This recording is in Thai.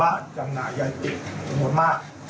อ่า